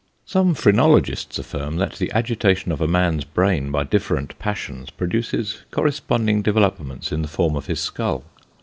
Some phrenologists affirm, that the agitation of a man's brain by different passions, produces corresponding developments in the form of his skull.